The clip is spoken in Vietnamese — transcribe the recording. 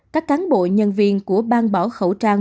các cán bộ nhân viên của bang bỏ khẩu trang